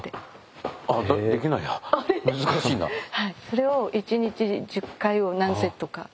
それを１日１０回を何セットか。